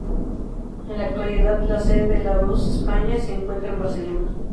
En la actualidad, la sede de Larousse en España se encuentra en Barcelona.